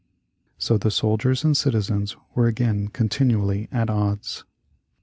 So the soldiers and citizens were again continually at odds.